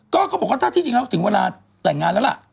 ก็เขาบอกว่าถ้าถึงเวลาแต่งงานแล้วล่ะ